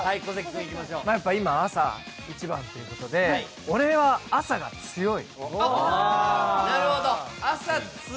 今、朝一番ということで、俺は朝強い！